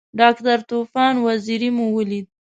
ډاکټر طوفان وزیری مو ولید.